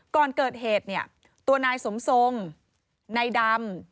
ก่อนเกิดเหตุเนี่ยตัวนายสมทรงนายดำ